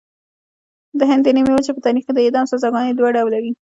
د هند د نیمې وچې په تاریخ کې د اعدام سزاګانې دوه ډوله وې.